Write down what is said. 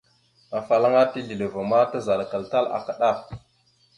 Afalaŋa tisleváma, tazalakal tal aka ɗaf.